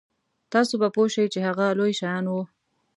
تاسو به پوه شئ چې هغه لوی شیان وو.